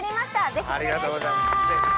ぜひお願いします！